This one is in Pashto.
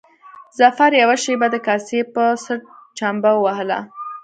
ظفر يوه شېبه د کاسې په څټ چمبه ووهله.